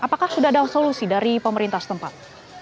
apakah sudah ada solusi dari pemerintah setempat